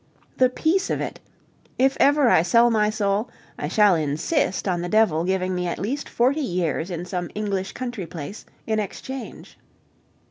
The peace of it! If ever I sell my soul, I shall insist on the devil giving me at least forty years in some English country place in exchange.